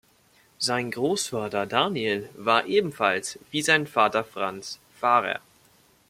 Sein Großvater Daniel war ebenfalls wie sein Vater Franz Pfarrer.